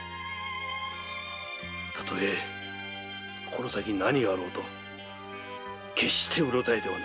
たとえこの先何があろうと決してうろたえてはならぬぞ。